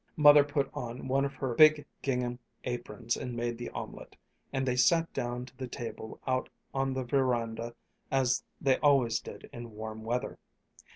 Mother put on one of her big gingham aprons and made the omelet, and they sat down to the table out on the veranda as they always did in warm weather.